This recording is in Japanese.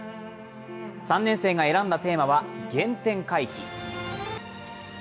３年生が選んだテーマは原点回帰。